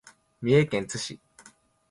三重県津市